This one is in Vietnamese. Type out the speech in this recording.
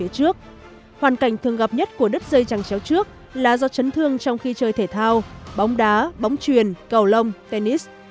trấn thương của đứt dây trắng chéo trước là do trấn thương trong khi chơi thể thao bóng đá bóng truyền cầu lông tennis